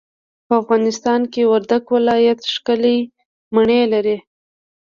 په افغانستان کي وردګ ولايت ښکلې مڼې لري.